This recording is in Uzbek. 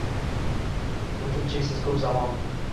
O’tib cheksiz ko’p zamon